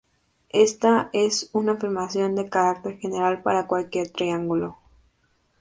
Esta es una afirmación de carácter general para cualquier triángulo.